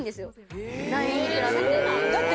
だって。